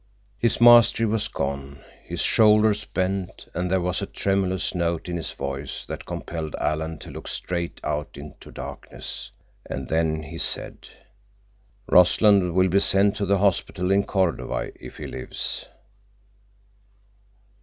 His mastery was gone, his shoulders bent, and there was a tremulous note in his voice that compelled Alan to look straight out into darkness. And then he said, "Rossland will be sent to the hospital in Cordova, if he lives."